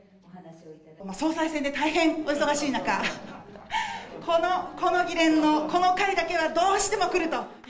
総裁選で大変お忙しい中、この議連の、この会だけはどうしても来ると。